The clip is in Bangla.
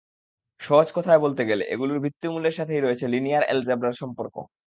সহজ কথায় বলতে গেলে এগুলোর ভিত্তিমূলের সাথেই রয়েছে লিনিয়ার অ্যালজেব্রার সম্পর্ক।